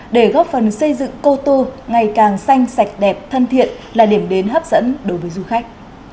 để góp phần xây dựng cô tô ngày càng xanh sạch đẹp thân thiện là điểm đến hấp dẫn đối với du khách